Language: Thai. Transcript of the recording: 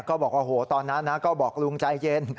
ก็บอกว่าโหตอนนั้นนะก็บอกลุงใจเย็น